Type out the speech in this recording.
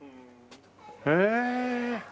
へえ！